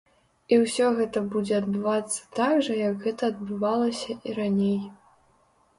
І ўсё гэта будзе адбывацца так жа як гэта адбывалася і раней.